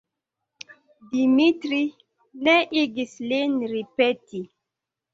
Dimitri ne igis lin ripeti.